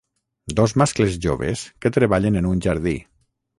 Dos mascles joves que treballen en un jardí.